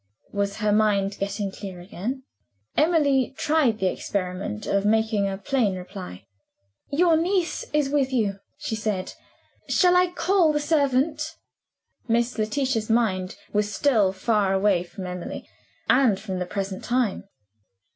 Was her mind getting clear again? Emily tried the experiment of making a plain reply. "Your niece is with you," she said. "Shall I call the servant?" Miss Letitia's mind was still far away from Emily, and from the present time.